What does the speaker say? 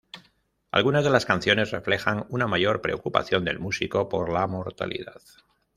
Algunas de las canciones reflejan una mayor preocupación del músico por la mortalidad.